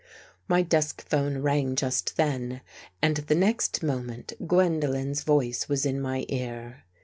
My desk 'phone rang just then and the next moment Gwendolen's voice was in my ear.